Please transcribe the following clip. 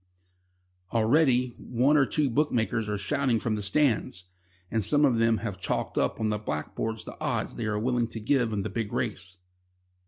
Already one or two bookmakers are shouting from their stands, and some of them have chalked up on blackboards the odds they are willing to give in the big race.